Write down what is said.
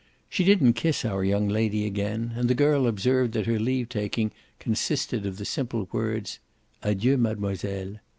She didn't kiss our young lady again, and the girl observed that her leave taking consisted of the simple words "Adieu mademoiselle."